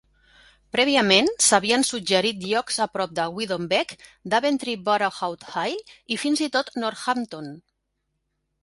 Prèviament, s'havien suggerit llocs a prop de Weedon Bec, Daventry-Borough Hill i fins i tot Northampton.